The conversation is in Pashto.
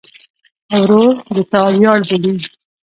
ورور د تا ویاړ بولې.